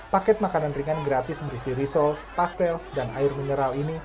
paket makanan ringan gratis berisi risol pastel dan air mineral ini